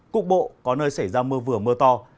cục bộ có nơi xảy ra mưa vừa mưa to